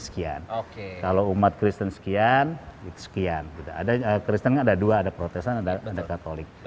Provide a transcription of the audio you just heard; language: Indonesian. sekian oke kalau umat kristen sekian sekian ada kristen ada dua ada protesan ada katolik